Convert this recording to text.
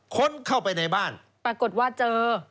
ค้นเข้าไปในบ้านปรากฏว่าเจอ